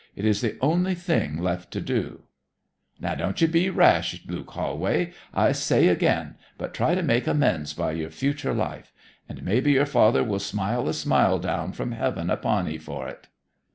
It is the only thing left to do!' 'Don't ye be rash, Luke Holway, I say again; but try to make amends by your future life. And maybe your father will smile a smile down from heaven upon 'ee for 't.'